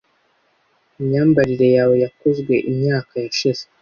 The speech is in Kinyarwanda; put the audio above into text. Imyambarire yawe yakozwe imyaka yashize